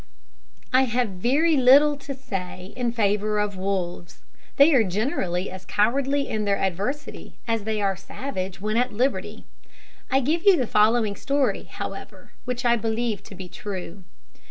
I have very little to say in favour of wolves. They are generally as cowardly in their adversity as they are savage when at liberty. I give you the following story, however, which I believe to be true.